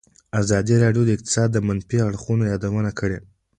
ازادي راډیو د اقتصاد د منفي اړخونو یادونه کړې.